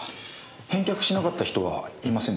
返却しなかった人はいませんでしたか？